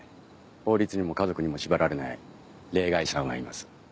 法律にも家族にも縛られない例外さんはいます。